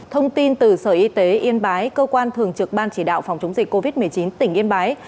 thông tin từ sở y tế yên bái cơ quan thường trực ban chỉ đạo phòng chống dịch covid một mươi chín tỉnh yên bái